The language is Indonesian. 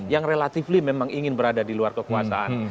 yang relatively memang ingin berada di luar kekuasaan